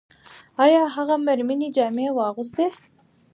ایا هغه مېرمنې جامې واغوستې؟